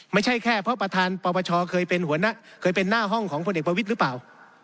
ไม่ใช่แค่เพราะประธานปปชเคยเป็นหน้าห้องของคนเอกประวิทย์หรือเปล่า